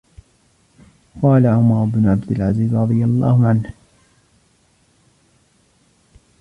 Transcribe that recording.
وَقَالَ عُمَرُ بْنُ عَبْدِ الْعَزِيزِ رَضِيَ اللَّهُ عَنْهُ